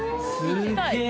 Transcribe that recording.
すげえ。